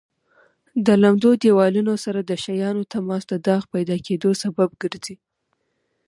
د لمد دېوالونو سره د شیانو تماس د داغ پیدا کېدو سبب ګرځي.